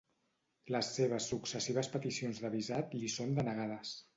Les seves successives peticions de visat li són denegades.